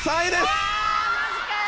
うわマジかよ。